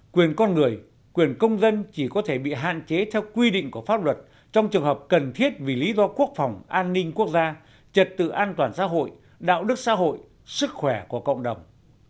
quyền con người quyền công dân chỉ có thể bị hạn chế theo quy định của pháp luật trong trường hợp cần thiết vì lý do quốc phòng an ninh quốc gia trật tự an toàn xã hội đạo đức xã hội sức khỏe của cộng đồng